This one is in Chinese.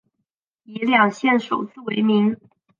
以两县首字为名。